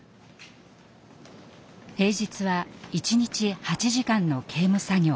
平日は一日８時間の刑務作業。